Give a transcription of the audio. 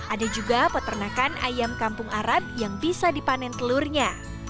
ada juga peternakan ayam kampung arab yang bisa dipanen telurnya